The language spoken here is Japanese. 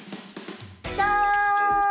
ジャン！